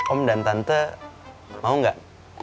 om dan tante mau gak